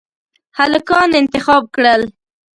هلکان انتخاب کړل.